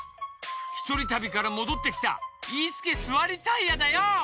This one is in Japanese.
ひとりたびからもどってきたイースケ・スワリタイヤだよ！